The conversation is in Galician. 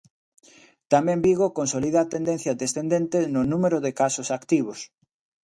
Tamén Vigo consolida a tendencia descendente no número de casos activos.